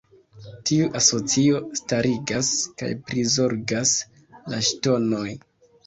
Tiu asocio starigas kaj prizorgas la ŝtonoj.